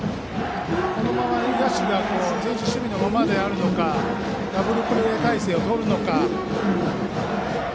このまま前進守備のままかダブルプレー態勢をとるのか。